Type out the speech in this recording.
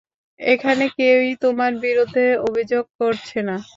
এখানে কেউই তোমার বিরুদ্ধে অভিযোগ করছে না।